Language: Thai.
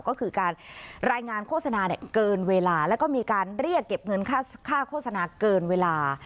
ก็คือการรายงานโฆษณาเกินเวลาแล้วก็มีการเรียกเก็บเงินค่าโฆษณาเกินเวลา